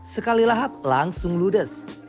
sekali lahap langsung ludes